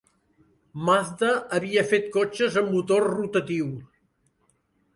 Mazda havia fet cotxes amb motor rotatiu.